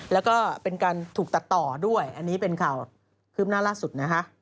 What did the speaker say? แล้วก็เป็นการถูกตัดต่อด้วยอันนี้เป็นข่าวคืบหน้าล่าสุดนะคะ